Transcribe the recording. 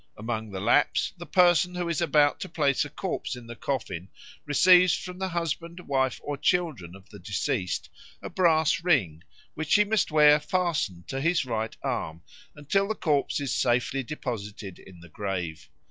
Among the Lapps, the person who is about to place a corpse in the coffin receives from the husband, wife, or children of the deceased a brass ring, which he must wear fastened to his right arm until the corpse is safely deposited in the grave.